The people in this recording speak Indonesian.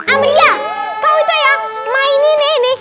amriyah kau itu ya mainin ini